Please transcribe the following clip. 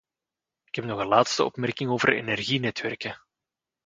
Ik heb nog een laatste opmerking over energienetwerken.